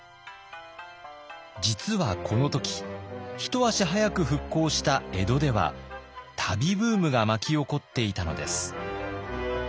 実はこの時一足早く復興した江戸では旅ブームが巻き起こっていたのです。